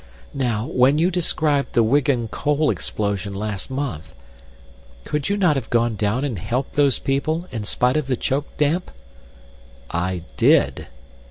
Now, when you described the Wigan coal explosion last month, could you not have gone down and helped those people, in spite of the choke damp?" "I did."